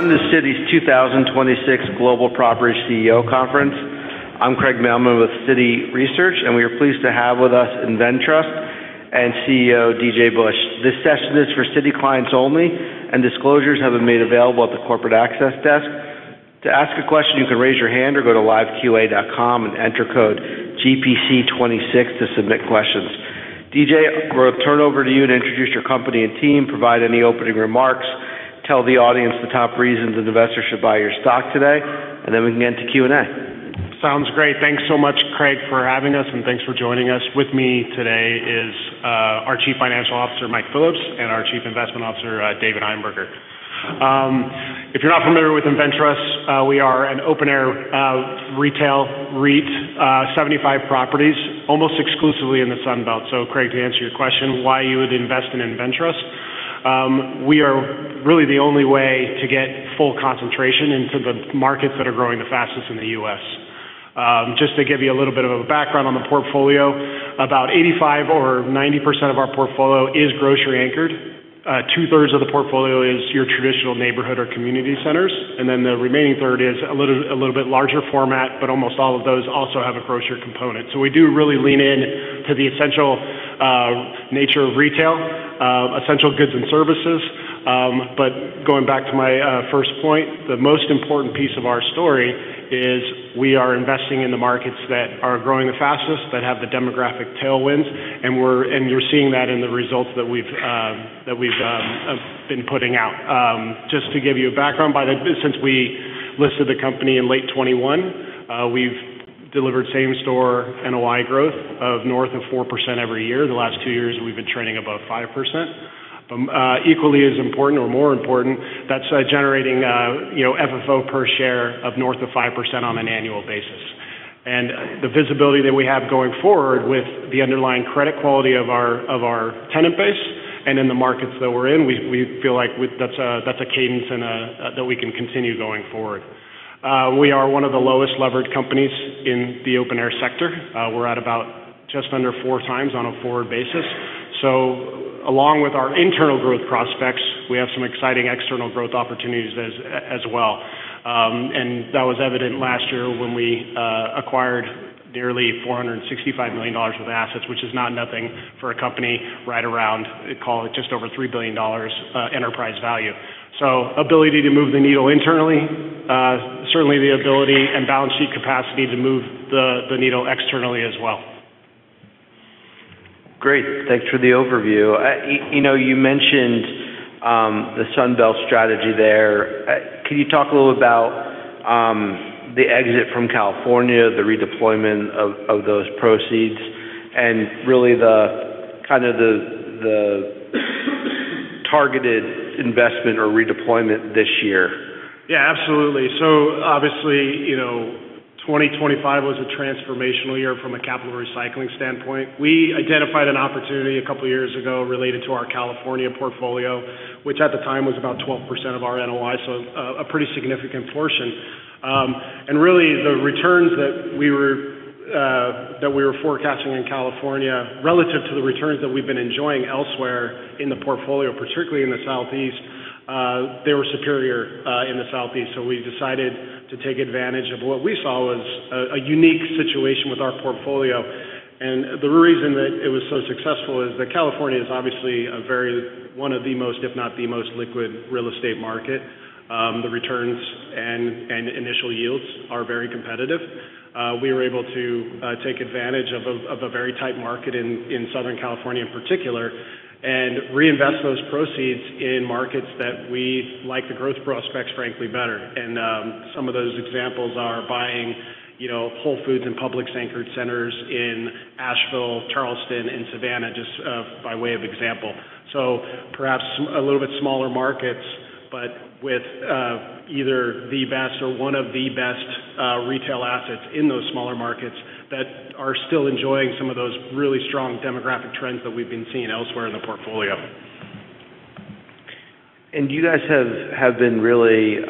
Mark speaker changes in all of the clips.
Speaker 1: On the Citi's 2026 Global Property CEO conference. I'm Craig Melman with Citi Research. We are pleased to have with us InvenTrust CEO D.J. Busch. This session is for Citi clients only. Disclosures have been made available at the corporate access desk. To ask a question, you can raise your hand or go to liveqa.com and enter code GPC26 to submit questions. D.J., we'll turn over to you and introduce your company and team, provide any opening remarks, tell the audience the top reasons an investor should buy your stock today, and then we can get into Q&A.
Speaker 2: Sounds great. Thanks so much, Craig, for having us, and thanks for joining us. With me today is our Chief Financial Officer, Mike Phillips, and our Chief Investment Officer, Dave Heimberger. If you're not familiar with InvenTrust, we are an open-air retail REIT, 75 properties, almost exclusively in the Sun Belt. Craig, to answer your question, why you would invest in InvenTrust, we are really the only way to get full concentration into the markets that are growing the fastest in the U.S. Just to give you a little bit of a background on the portfolio, about 85% or 90% of our portfolio is grocery anchored. Two-thirds of the portfolio is your traditional neighborhood or community centers. The remaining third is a little bit larger format, but almost all of those also have a grocery component. We do really lean in to the essential nature of retail, essential goods and services. Going back to my first point, the most important piece of our story is we are investing in the markets that are growing the fastest, that have the demographic tailwinds, and you're seeing that in the results that we've been putting out. To give you a background, since we listed the company in late 2021, we've delivered Same Store NOI growth of north of 4% every year. The last two years, we've been trading above 5%. Equally as important or more important, that's generating, you know, FFO per share of north of 5% on an annual basis. The visibility that we have going forward with the underlying credit quality of our, of our tenant base and in the markets that we're in, we feel like that's a, that's a cadence that we can continue going forward. We are one of the lowest levered companies in the open air sector. We're at about just under 4x on a forward basis. Along with our internal growth prospects, we have some exciting external growth opportunities as well. That was evident last year when we acquired nearly $465 million worth of assets, which is not nothing for a company right around, call it just over $3 billion enterprise value. Ability to move the needle internally, certainly the ability and balance sheet capacity to move the needle externally as well.
Speaker 1: Great. Thanks for the overview. You know, you mentioned, the Sun Belt strategy there. Can you talk a little about, the exit from California, the redeployment of those proceeds, and really the kind of the targeted investment or redeployment this year?
Speaker 2: Absolutely. Obviously, you know, 2025 was a transformational year from a capital recycling standpoint. We identified an opportunity a couple of years ago related to our California portfolio, which at the time was about 12% of our NOI, so a pretty significant portion. Really the returns that we were that we were forecasting in California relative to the returns that we've been enjoying elsewhere in the portfolio, particularly in the Southeast, they were superior in the Southeast. We decided to take advantage of what we saw was a unique situation with our portfolio. The reason that it was so successful is that California is obviously a very one of the most, if not the most liquid real estate market. The returns and initial yields are very competitive. We were able to take advantage of a very tight market in Southern California in particular, and reinvest those proceeds in markets that we like the growth prospects, frankly, better. Some of those examples are buying, you know, Whole Foods and Publix anchored centers in Asheville, Charleston, and Savannah, just by way of example. Perhaps a little bit smaller markets, but with either the best or one of the best retail assets in those smaller markets that are still enjoying some of those really strong demographic trends that we've been seeing elsewhere in the portfolio.
Speaker 1: You guys have been really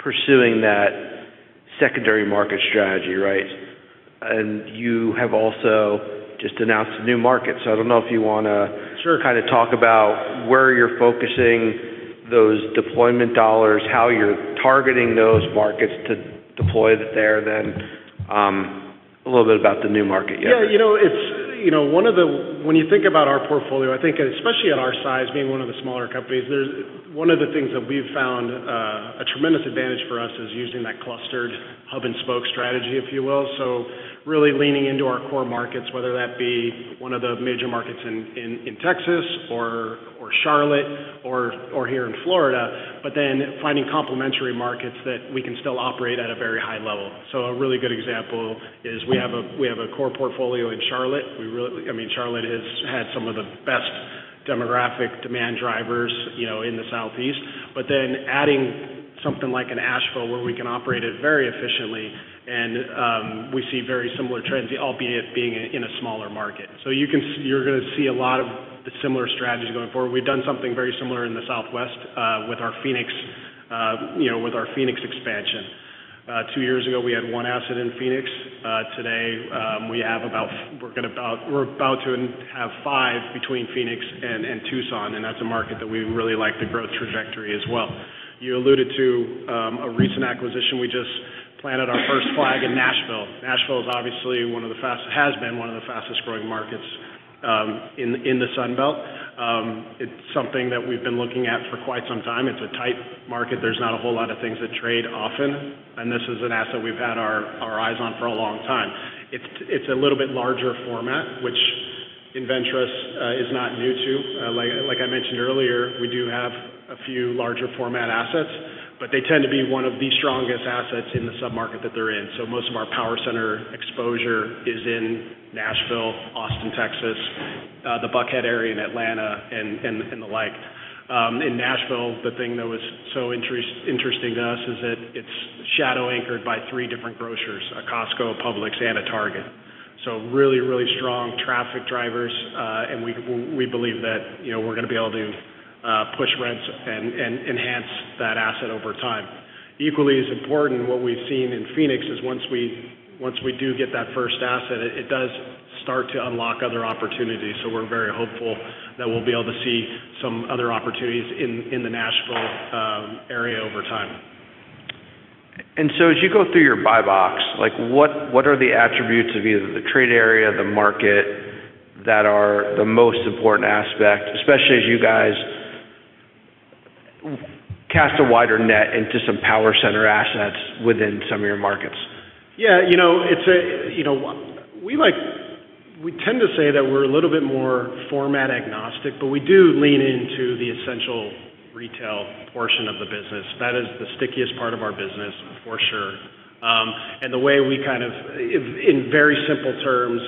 Speaker 1: pursuing that secondary market strategy, right? You have also just announced a new market. I don't know if you wanna-
Speaker 2: Sure.
Speaker 1: kinda talk about where you're focusing those deployment dollars, how you're targeting those markets to deploy there, then a little bit about the new market you entered.
Speaker 2: Yeah, you know, it's, you know, when you think about our portfolio, I think especially at our size, being one of the smaller companies, one of the things that we've found a tremendous advantage for us is using that clustered hub and spoke strategy, if you will. Really leaning into our core markets, whether that be one of the major markets in Texas or Charlotte or here in Florida, finding complementary markets that we can still operate at a very high level. A really good example is we have a core portfolio in Charlotte. I mean, Charlotte has had some of the best demographic demand drivers, you know, in the Southeast. Adding something like an Asheville where we can operate it very efficiently and we see very similar trends, albeit being in a smaller market. You're gonna see a lot of similar strategies going forward. We've done something very similar in the Southwest, with our Phoenix expansion. Two years ago, we had one asset in Phoenix. Today, we're about to have five between Phoenix and Tucson, and that's a market that we really like the growth trajectory as well. You alluded to a recent acquisition. We just planted our first flag in Nashville. Nashville is obviously one of the fastest-growing markets in the Sun Belt. It's something that we've been looking at for quite some time. It's a tight market. There's not a whole lot of things that trade often, this is an asset we've had our eyes on for a long time. It's a little bit larger format, which InvenTrust is not new to. Like I mentioned earlier, we do have a few larger format assets, but they tend to be one of the strongest assets in the sub-market that they're in. Most of our power center exposure is in Nashville, Austin, Texas, the Buckhead area in Atlanta, and the like. In Nashville, the thing that was so interesting to us is that it's shadow anchored by three different grocers, a Costco, a Publix, and a Target. Really, really strong traffic drivers, and we believe that, you know, we're gonna be able to push rents and enhance that asset over time. Equally as important, what we've seen in Phoenix is once we, once we do get that first asset, it does start to unlock other opportunities. We're very hopeful that we'll be able to see some other opportunities in the Nashville area over time.
Speaker 1: as you go through your buy box, like, what are the attributes of either the trade area, the market, that are the most important aspect, especially as you guys cast a wider net into some power center assets within some of your markets?
Speaker 2: Yeah. You know, it's a, you know. We tend to say that we're a little bit more format agnostic, we do lean into the essential retail portion of the business. That is the stickiest part of our business, for sure. The way we kind of, in very simple terms,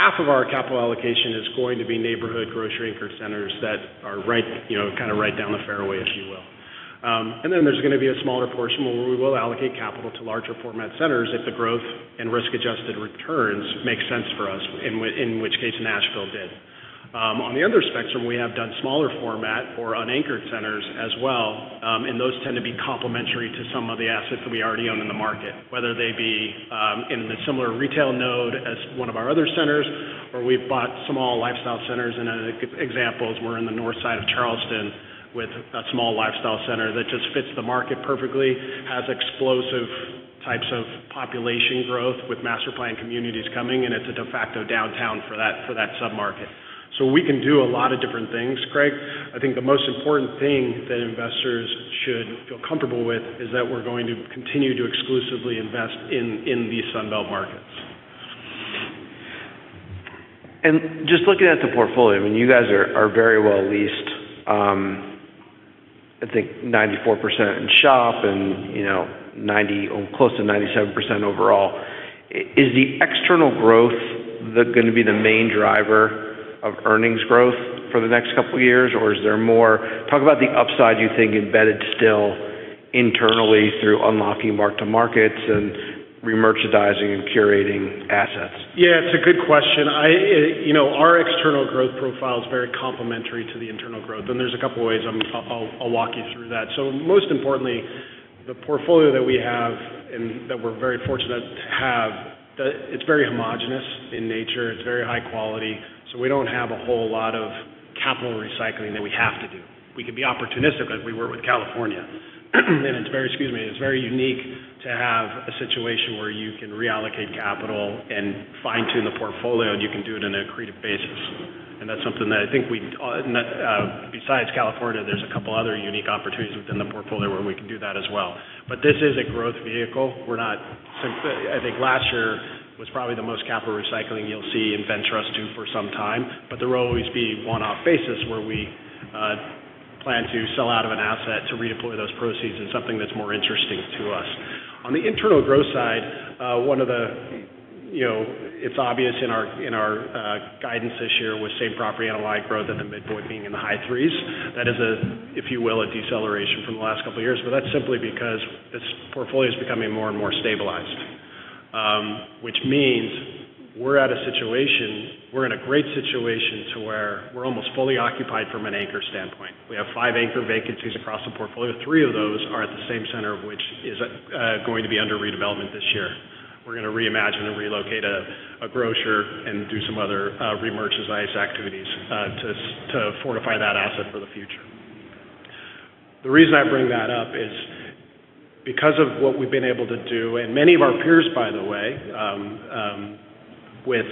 Speaker 2: half of our capital allocation is going to be neighborhood grocery anchor centers that are right, you know, kind of right down the fairway, if you will. There's gonna be a smaller portion where we will allocate capital to larger format centers if the growth and risk-adjusted returns make sense for us, in which case Nashville did. On the other spectrum, we have done smaller format or unanchored centers as well, those tend to be complementary to some of the assets that we already own in the market, whether they be in a similar retail node as one of our other centers or we've bought small lifestyle centers. A good example is we're in the north side of Charleston with a small lifestyle center that just fits the market perfectly, has explosive types of population growth with master plan communities coming, and it's a de facto downtown for that sub-market. We can do a lot of different things, Craig. I think the most important thing that investors should feel comfortable with is that we're going to continue to exclusively invest in these Sun Belt markets.
Speaker 1: Just looking at the portfolio, I mean, you guys are very well leased. I think 94% in shop and, you know, close to 97% overall. Is the external growth gonna be the main driver of earnings growth for the next couple of years, or is there more. Talk about the upside you think embedded still internally through unlocking mark-to-markets and remerchandising and curating assets.
Speaker 2: Yeah, it's a good question. I, you know, our external growth profile is very complementary to the internal growth. There's a couple of ways I'll walk you through that. Most importantly, the portfolio that we have and that we're very fortunate to have, it's very homogenous in nature. It's very high quality. We don't have a whole lot of capital recycling that we have to do. We can be opportunistic as we were with California. It's very Excuse me. It's very unique to have a situation where you can reallocate capital and fine-tune the portfolio, and you can do it in an accretive basis. That's something that I think we, net, besides California, there's a couple of other unique opportunities within the portfolio where we can do that as well. This is a growth vehicle. We're not Since, I think last year was probably the most capital recycling you'll see InvenTrust do for some time. There will always be one-off basis where we plan to sell out of an asset to redeploy those proceeds in something that's more interesting to us. On the internal growth side, one of the, you know. It's obvious in our guidance this year with Same Property NOI growth at the midpoint being in the high threes. That is a, if you will, a deceleration from the last couple of years. That's simply because this portfolio is becoming more and more stabilized. Which means we're in a great situation to where we're almost fully occupied from an anchor standpoint. We have five anchor vacancies across the portfolio. Three of those are at the same center, which is going to be under redevelopment this year. We're gonna reimagine and relocate a grocer and do some other remerchandise activities to fortify that asset for the future. The reason I bring that up is because of what we've been able to do, and many of our peers, by the way, with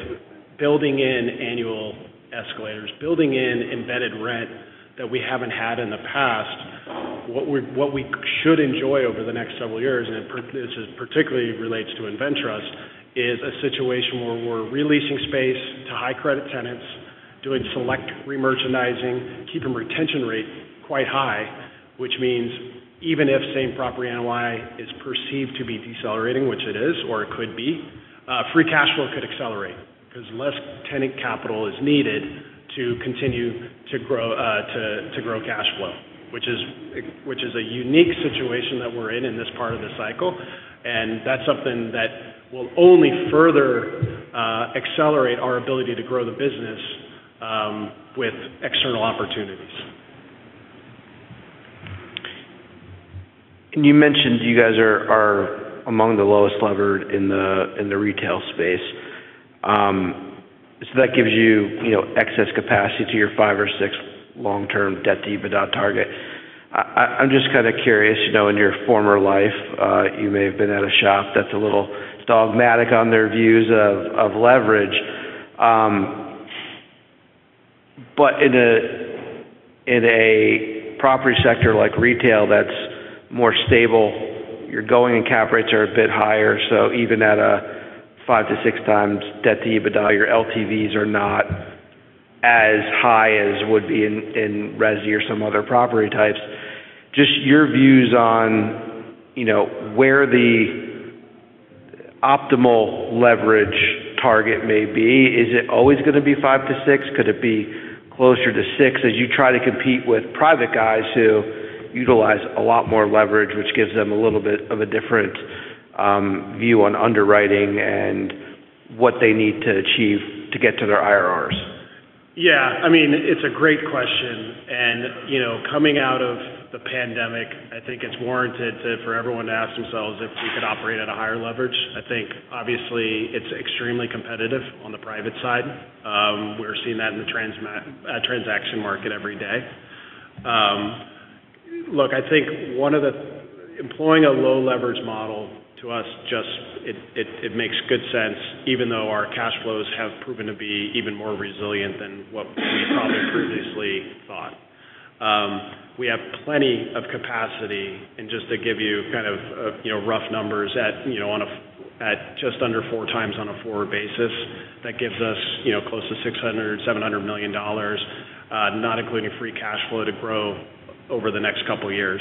Speaker 2: building in annual escalators, building in embedded rent that we haven't had in the past, what we could enjoy over the next several years, this particularly relates to InvenTrust, is a situation where we're re-leasing space to high credit tenants, doing select remerchandising, keeping retention rate quite high, which means even if Same Property NOI is perceived to be decelerating, which it is or it could be, Free Cash Flow could accelerate because less tenant capital is needed to continue to grow cash flow, which is a unique situation that we're in in this part of the cycle. That's something that will only further accelerate our ability to grow the business with external opportunities.
Speaker 1: You mentioned you guys are among the lowest levered in the retail space. That gives you know, excess capacity to your five or six long-term Debt-to-EBITDA target. I'm just kind of curious, you know, in your former life, you may have been at a shop that's a little dogmatic on their views of leverage. In a property sector like retail that's more stable, your going and cap rates are a bit higher. Even at a five to six times Debt-to-EBITDA, your LTVs are not as high as would be in resi or some other property types. Just your views on, you know, where the optimal leverage target may be. Is it always gonna be five to six? Could it be closer to 6% as you try to compete with private guys who utilize a lot more leverage, which gives them a little bit of a different view on underwriting and what they need to achieve to get to their IRRs?
Speaker 2: Yeah. I mean, it's a great question. You know, coming out of the pandemic, I think it's warranted for everyone to ask themselves if we could operate at a higher leverage. I think obviously it's extremely competitive on the private side. We're seeing that in the transaction market every day. Look, Employing a low leverage model to us just it makes good sense even though our cash flows have proven to be even more resilient than what we probably previously thought. We have plenty of capacity. Just to give you kind of, you know, rough numbers at, you know, at just under 4x on a forward basis, that gives us, you know, close to $600 million-$700 million, not including Free Cash Flow to grow over the next couple of years.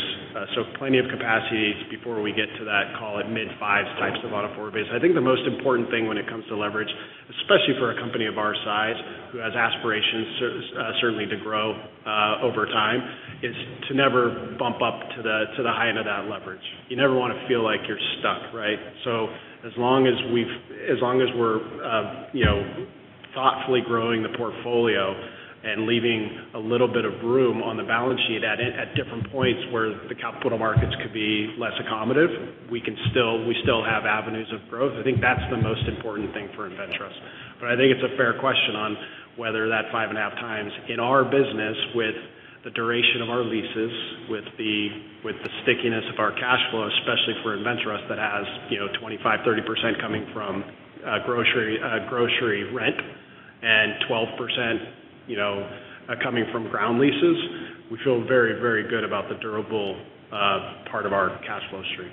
Speaker 2: Plenty of capacity before we get to that, call it mid fives types of on a forward basis. I think the most important thing when it comes to leverage, especially for a company of our size, who has aspirations certainly to grow over time, is to never bump up to the height of that leverage. You never wanna feel like you're stuck, right? As long as we're, you know, thoughtfully growing the portfolio and leaving a little bit of room on the balance sheet at different points where the capital markets could be less accommodative, we still have avenues of growth. I think that's the most important thing for InvenTrust. But I think it's a fair question on whether that 5.5x in our business with the duration of our leases, with the, with the stickiness of our cash flow, especially for InvenTrust that has, you know, 25%, 30% coming from grocery rent and 12%, you know, coming from ground leases. We feel very, very good about the durable part of our cash flow stream.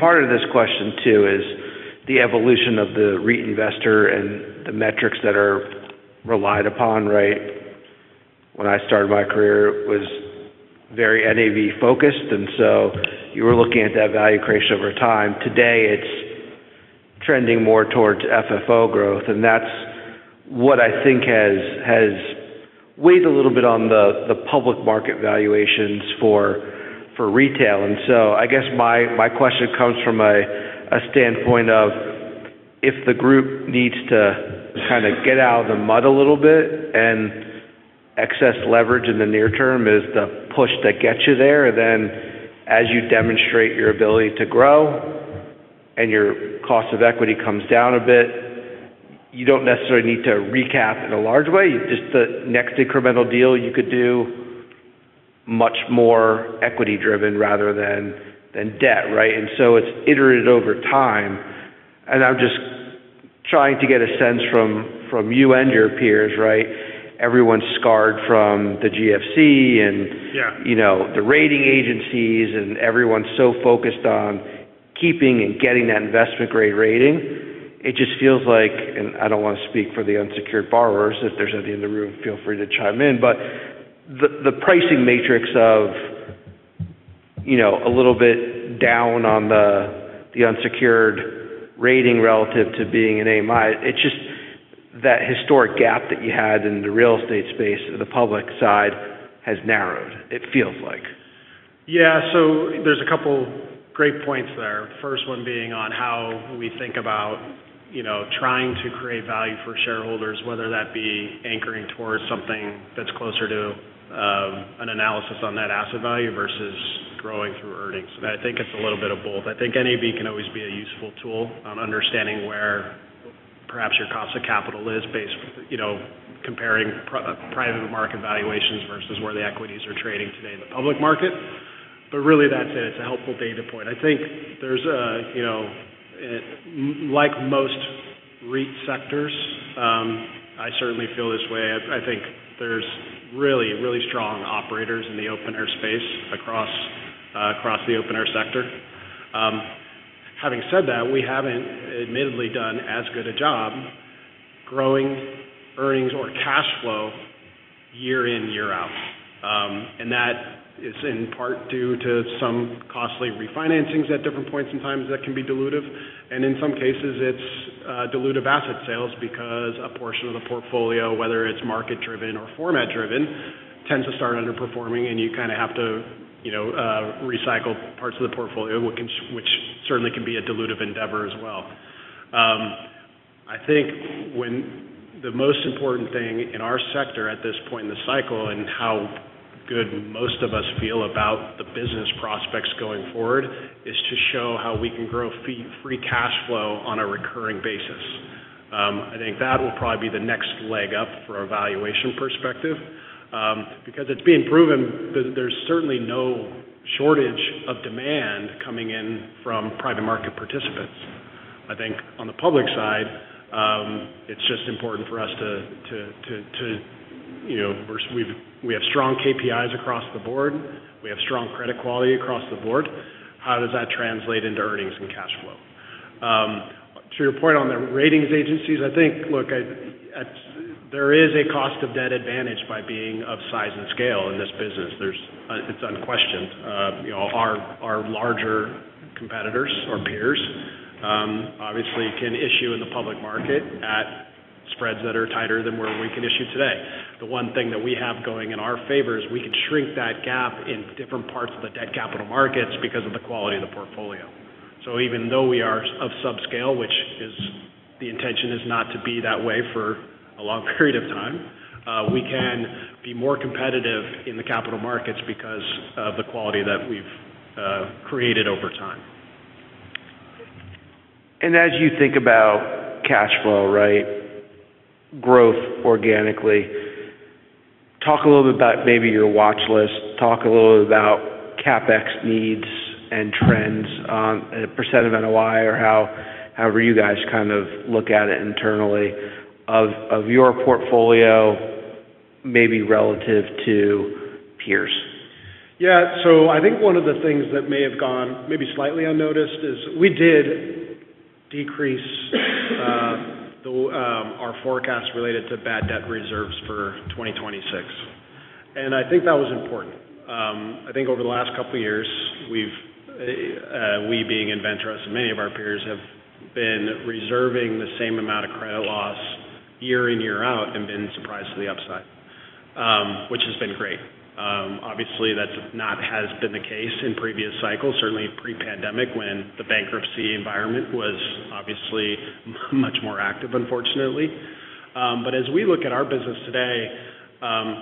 Speaker 1: Part of this question too is the evolution of the REIT investor and the metrics that are relied upon, right? When I started my career, it was very NAV focused, and so you were looking at that value creation over time. Today, it's trending more towards FFO growth, and that's what I think has weighed a little bit on the public market valuations for retail. I guess my question comes from a standpoint of if the group needs to kind of get out of the mud a little bit and excess leverage in the near term is the push that gets you there, then as you demonstrate your ability to grow and your cost of equity comes down a bit, you don't necessarily need to recap in a large way. Just the next incremental deal you could do much more equity-driven rather than debt, right? It's iterated over time, and I'm just trying to get a sense from you and your peers, right? Everyone's scarred from the GFC and-
Speaker 2: Yeah.
Speaker 1: You know, the rating agencies, everyone's so focused on keeping and getting that investment grade rating. It just feels like, I don't wanna speak for the unsecured borrowers. If there's any in the room, feel free to chime in. The, the pricing matrix of, you know, a little bit down on the unsecured rating relative to being an AMI, it's just that historic gap that you had in the real estate space, the public side has narrowed, it feels like.
Speaker 2: Yeah. There's two great points there. First one being on how we think about, you know, trying to create value for shareholders, whether that be anchoring towards something that's closer to an analysis on that asset value versus growing through earnings. I think it's a little bit of both. I think NAV can always be a useful tool on understanding where perhaps your cost of capital is based, you know, comparing private market valuations versus where the equities are trading today in the public market. Really that's it. It's a helpful data point. I think there's a, you know, like most REIT sectors, I certainly feel this way. I think there's really, really strong operators in the open air space across the open air sector. Having said that, we haven't admittedly done as good a job growing earnings or cash flow year in, year out. That is in part due to some costly refinancings at different points in times that can be dilutive. In some cases, it's dilutive asset sales because a portion of the portfolio, whether it's market driven or format driven, tends to start underperforming, and you kind of have to, you know, recycle parts of the portfolio, which certainly can be a dilutive endeavor as well. I think when the most important thing in our sector at this point in the cycle and how good most of us feel about the business prospects going forward is to show how we can grow Free Cash Flow on a recurring basis. I think that will probably be the next leg up for a valuation perspective, because it's being proven that there's certainly no shortage of demand coming in from private market participants. I think on the public side, it's just important for us to, you know, we have strong KPIs across the board. We have strong credit quality across the board. How does that translate into earnings and cash flow? To your point on the ratings agencies, I think, look, there is a cost of debt advantage by being of size and scale in this business. It's unquestioned. You know, our larger competitors or peers, obviously can issue in the public market at spreads that are tighter than where we can issue today. The one thing that we have going in our favor is we can shrink that gap in different parts of the debt capital markets because of the quality of the portfolio. Even though we are of subscale, which is the intention is not to be that way for a long period of time, we can be more competitive in the capital markets because of the quality that we've created over time.
Speaker 1: As you think about cash flow, right, growth organically, talk a little bit about maybe your watch list. Talk a little bit about CapEx needs and trends on a % of NOI or how, however you guys kind of look at it internally of your portfolio maybe relative to peers.
Speaker 2: I think one of the things that may have gone maybe slightly unnoticed is we did decrease the our forecast related to bad debt reserves for 2026. I think that was important. I think over the last couple of years, we've we being InvenTrust, so many of our peers have been reserving the same amount of credit loss year in, year out, and been surprised to the upside, which has been great. Obviously, that's not has been the case in previous cycles, certainly pre-pandemic when the bankruptcy environment was obviously much more active, unfortunately. As we look at our business today,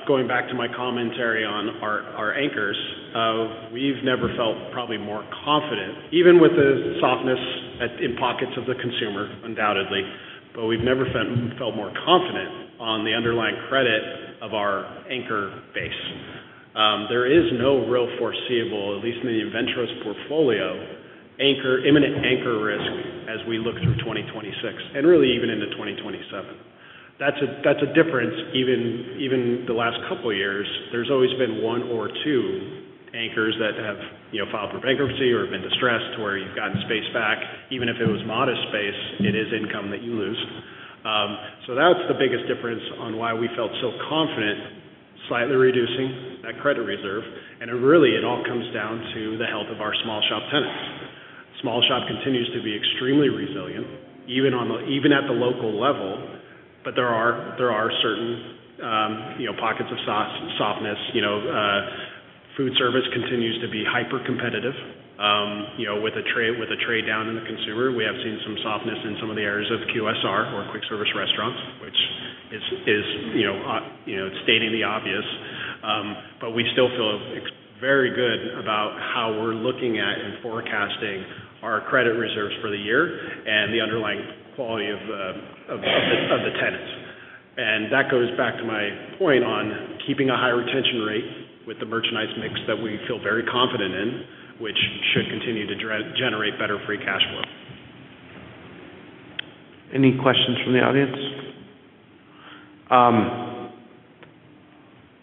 Speaker 2: going back to my commentary on our anchors of we've never felt probably more confident even with the softness in pockets of the consumer undoubtedly, but we've never felt more confident on the underlying credit of our anchor base. There is no real foreseeable, at least in the InvenTrust's portfolio, imminent anchor risk as we look through 2026 and really even into 2027. That's a, that's a difference even the last couple of years, there's always been one or two anchors that have, you know, filed for bankruptcy or been distressed to where you've gotten space back. Even if it was modest space, it is income that you lose. That's the biggest difference on why we felt so confident slightly reducing that credit reserve. really it all comes down to the health of our small shop tenants. Small shop continues to be extremely resilient even at the local level. there are certain, you know, pockets of softness. You know, food service continues to be hyper-competitive. you know, with a trade down in the consumer. We have seen some softness in some of the areas of QSR or quick service restaurants, which is, you know, stating the obvious. we still feel very good about how we're looking at and forecasting our credit reserves for the year and the underlying quality of the tenants. That goes back to my point on keeping a high retention rate with the merchandise mix that we feel very confident in, which should continue to generate better free cash flow.
Speaker 1: Any questions from the audience?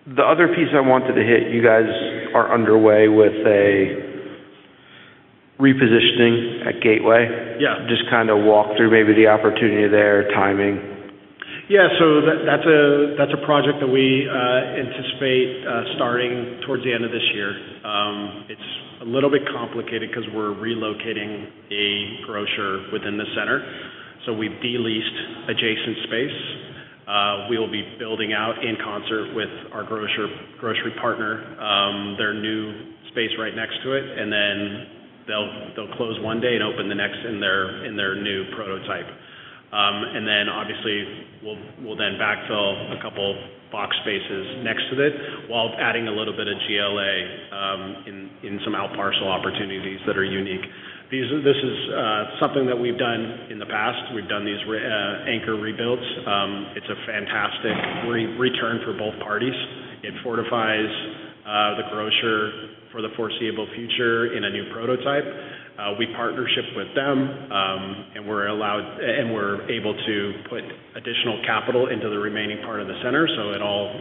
Speaker 1: The other piece I wanted to hit you guys are underway with a repositioning at Gateway.
Speaker 2: Yeah.
Speaker 1: Just kind of walk through maybe the opportunity there, timing.
Speaker 2: Yeah. That, that's a, that's a project that we anticipate starting towards the end of this year. It's a little bit complicated because we're relocating a grocer within the center. We've de-leased adjacent space. We'll be building out in concert with our grocer-grocery partner, their new space right next to it. They'll close one day and open the next in their new prototype. Obviously, we'll then backfill two box spaces next to it while adding a little bit of GLA in some out parcel opportunities that are unique. This is something that we've done in the past. We've done these anchor rebuilds. It's a fantastic re-return for both parties. It fortifies the grocer for the foreseeable future in a new prototype. We partnership with them, we're able to put additional capital into the remaining part of the center. It all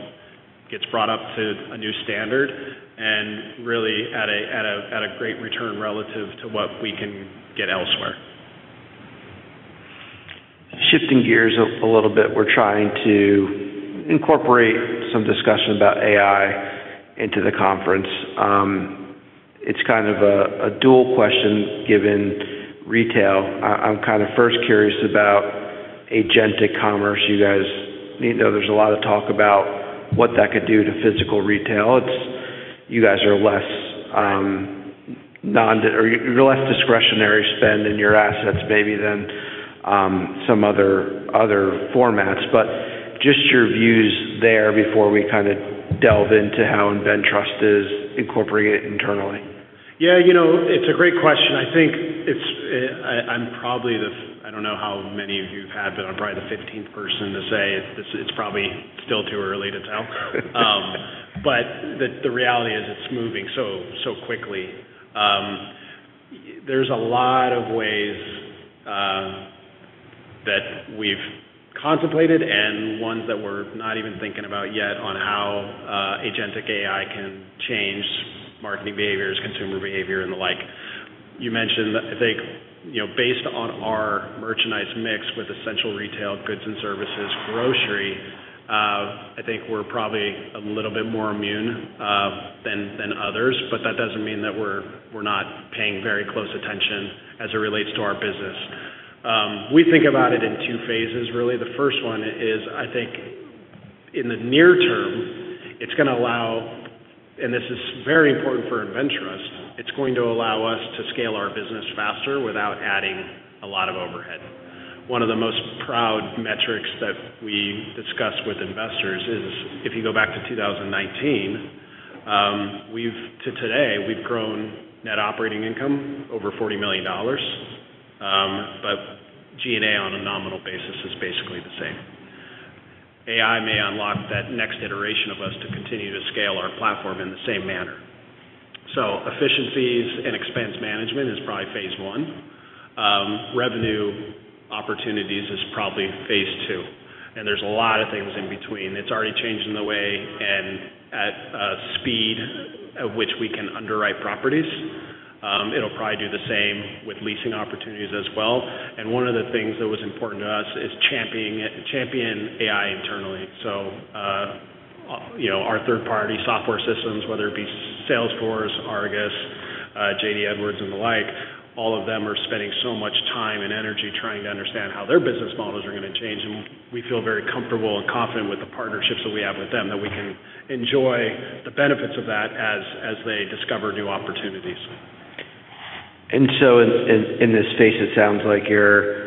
Speaker 2: gets brought up to a new standard and really at a great return relative to what we can get elsewhere.
Speaker 1: Shifting gears a little bit, we're trying to incorporate some discussion about AI into the conference. It's kind of a dual question given retail. I'm kind of first curious about agentic commerce. You guys need to know there's a lot of talk about what that could do to physical retail. You guys are less, or your less discretionary spend in your assets maybe than some other formats. Just your views there before we kind of delve into how InvenTrust is incorporated internally.
Speaker 2: Yeah, you know, it's a great question. I think it's, I'm probably the 15th person to say it's probably still too early to tell. The reality is it's moving so quickly. There's a lot of ways that we've contemplated and ones that we're not even thinking about yet on how agentic AI can change marketing behaviors, consumer behavior, and the like. You mentioned, I think, you know, based on our merchandise mix with essential retail goods and services, grocery, I think we're probably a little bit more immune than others, but that doesn't mean that we're not paying very close attention as it relates to our business. We think about it in two phases, really. The first one is, I think in the near term, and this is very important for InvenTrust. It's going to allow us to scale our business faster without adding a lot of overhead. One of the most proud metrics that we discuss with investors is if you go back to 2019, till today we've grown net operating income over $40 million. G&A on a nominal basis is basically the same. AI may unlock that next iteration of us to continue to scale our platform in the same manner. Efficiencies and expense management is probably phase one. Revenue opportunities is probably phase two, and there's a lot of things in between. It's already changing the way and at a speed at which we can underwrite properties. It'll probably do the same with leasing opportunities as well. One of the things that was important to us is champion AI internally. You know, our third-party software systems, whether it be Salesforce, ARGUS, JD Edwards and the like, all of them are spending so much time and energy trying to understand how their business models are gonna change, and we feel very comfortable and confident with the partnerships that we have with them, that we can enjoy the benefits of that as they discover new opportunities.
Speaker 1: In this space, it sounds like you're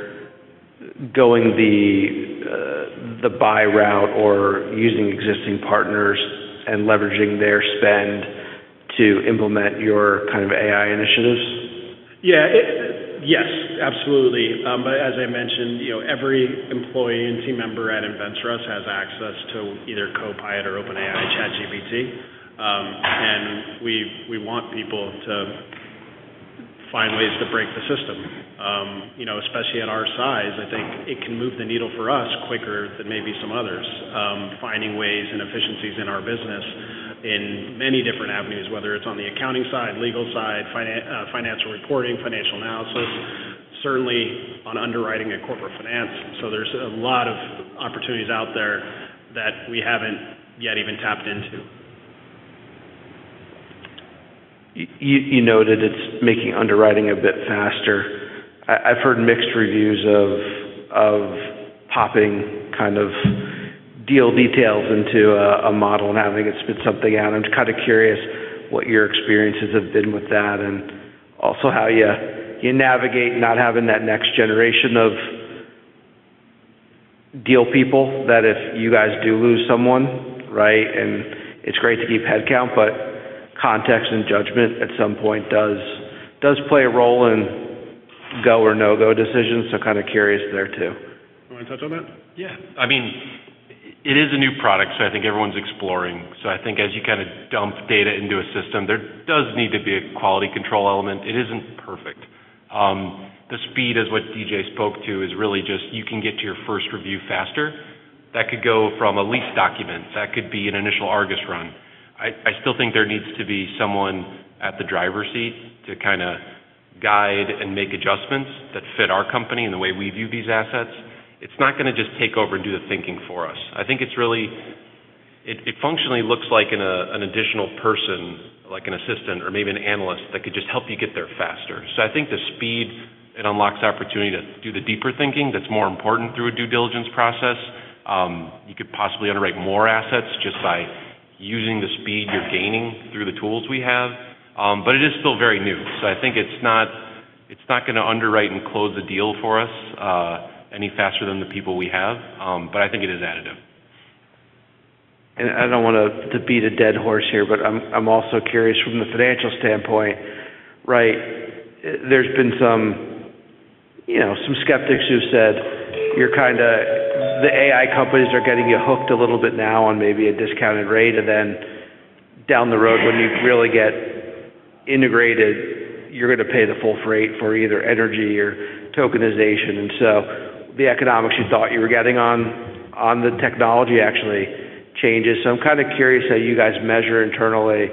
Speaker 1: going the buy route or using existing partners and leveraging their spend to implement your kind of AI initiatives.
Speaker 2: Yeah. Yes, absolutely. As I mentioned, you know, every employee and team member at InvenTrust has access to either Copilot or OpenAI ChatGPT. We want people to find ways to break the system. You know, especially at our size, I think it can move the needle for us quicker than maybe some others, finding ways and efficiencies in our business in many different avenues, whether it's on the accounting side, legal side, financial reporting, financial analysis, certainly on underwriting and corporate finance. There's a lot of opportunities out there that we haven't yet even tapped into.
Speaker 1: You noted it's making underwriting a bit faster. I've heard mixed reviews of popping kind of deal details into a model and having it spit something out. I'm just kind of curious what your experiences have been with that, and also how you navigate not having that next generation of deal people that if you guys do lose someone, right? It's great to keep head count, but context and judgment at some point does play a role in go or no-go decisions. Kind of curious there too.
Speaker 2: You want to touch on that?
Speaker 3: Yeah. I mean, it is a new product, I think everyone's exploring. I think as you kind of dump data into a system, there does need to be a quality control element. It isn't perfect. The speed is what DJ spoke to is really just you can get to your first review faster. That could go from a lease document. That could be an initial ARGUS run. I still think there needs to be someone at the driver's seat to kind of guide and make adjustments that fit our company and the way we view these assets. It's not gonna just take over and do the thinking for us. I think it's really. It functionally looks like an additional person, like an assistant or maybe an analyst that could just help you get there faster. I think the speed, it unlocks opportunity to do the deeper thinking that's more important through a due diligence process. You could possibly underwrite more assets just by using the speed you're gaining through the tools we have. It is still very new. I think it's not gonna underwrite and close a deal for us any faster than the people we have. I think it is additive.
Speaker 1: I don't want to beat a dead horse here, but I'm also curious from the financial standpoint, right? There's been some, you know, some skeptics who've said the AI companies are getting you hooked a little bit now on maybe a discounted rate, and then down the road when you really get integrated, you're going to pay the full freight for either energy or tokenization. The economics you thought you were getting on the technology actually changes. I'm kind of curious how you guys measure internally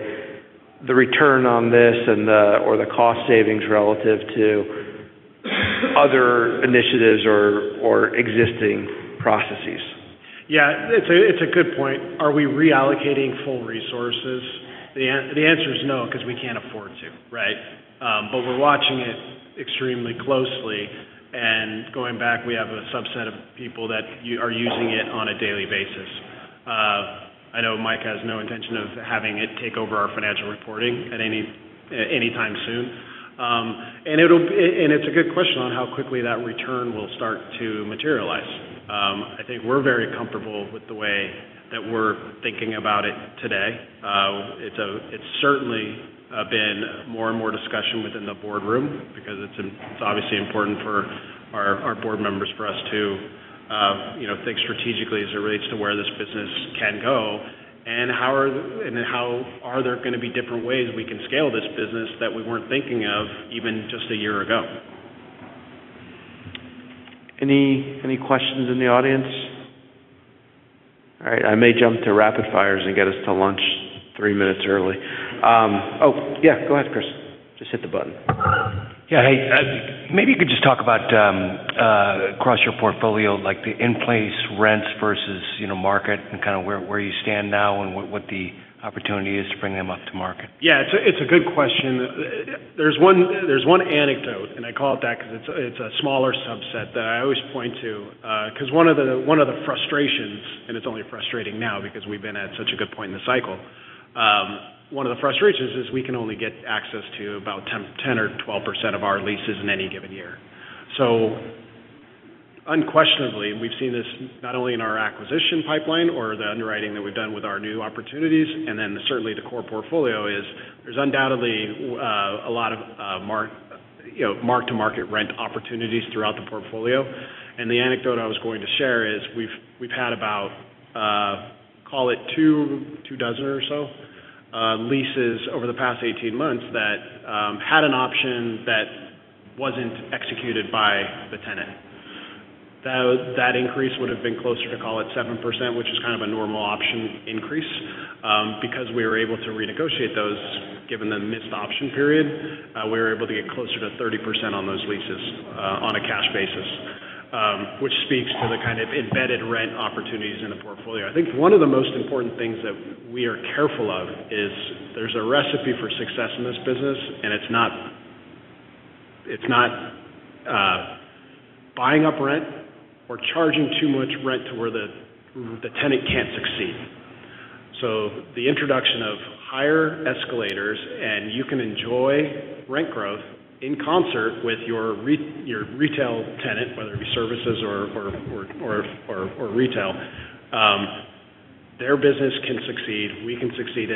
Speaker 1: the return on this and or the cost savings relative to other initiatives or existing processes.
Speaker 2: Yeah, it's a, it's a good point. Are we reallocating full resources? The answer is no because we can't afford to, right? We're watching it extremely closely. Going back, we have a subset of people that are using it on a daily basis. I know Mike has no intention of having it take over our financial reporting at anytime soon. It's a good question on how quickly that return will start to materialize. I think we're very comfortable with the way that we're thinking about it today. It's certainly been more and more discussion within the boardroom because it's obviously important for our board members, for us to, you know, think strategically as it relates to where this business can go and how are there gonna be different ways we can scale this business that we weren't thinking of even just a year ago.
Speaker 1: Any questions in the audience? All right. I may jump to rapid fires and get us to lunch three minutes early. Oh, yeah, go ahead, Chris. Just hit the button.
Speaker 4: Yeah. Hey, maybe you could just talk about across your portfolio, like the in-place rents versus, you know, market and kind of where you stand now and what the opportunity is to bring them up to market.
Speaker 2: Yeah, it's a good question. There's one anecdote, I call it that 'cause it's a smaller subset that I always point to. 'Cause one of the frustrations, it's only frustrating now because we've been at such a good point in the cycle. One of the frustrations is we can only get access to about 10 or 12% of our leases in any given year. Unquestionably, we've seen this not only in our acquisition pipeline or the underwriting that we've done with our new opportunities, certainly the core portfolio is there's undoubtedly a lot of mark-to-market rent opportunities throughout the portfolio. The anecdote I was going to share is we've had about, call it two dozen or so, leases over the past 18 months that had an option that wasn't executed by the tenant. That increase would've been closer to call it 7%, which is kind of a normal option increase. Because we were able to renegotiate those, given the missed option period, we were able to get closer to 30% on those leases, on a cash basis, which speaks to the kind of embedded rent opportunities in the portfolio. I think one of the most important things that we are careful of is there's a recipe for success in this business, and it's not buying up rent or charging too much rent to where the tenant can't succeed. The introduction of higher escalators, and you can enjoy rent growth in concert with your retail tenant, whether it be services or retail. Their business can succeed, we can succeed.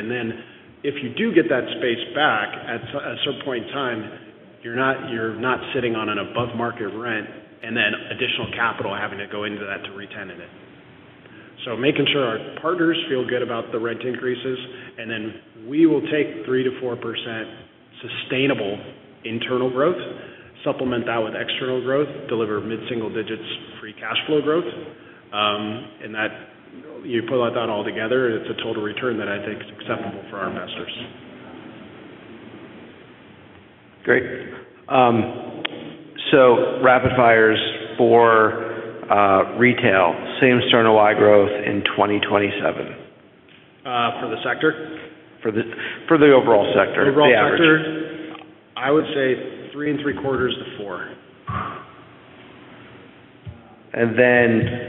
Speaker 2: If you do get that space back at a certain point in time, you're not sitting on an above-market rent and then additional capital having to go into that to retenant it. Making sure our partners feel good about the rent increases, and then we will take 3%-4% sustainable internal growth, supplement that with external growth, deliver mid-single digits Free Cash Flow growth. You put that all together, it's a total return that I think is acceptable for our investors.
Speaker 1: Great. Rapid fires for, retail. Same Store NOI growth in 2027.
Speaker 2: For the sector?
Speaker 1: For the overall sector. The average.
Speaker 2: For the overall sector, I would say 3.75%-4%.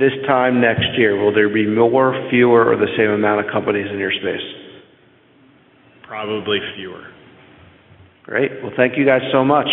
Speaker 1: This time next year, will there be more, fewer, or the same amount of companies in your space?
Speaker 2: Probably fewer.
Speaker 1: Great. Thank you guys so much.